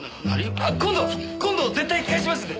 今度今度絶対返しますんで！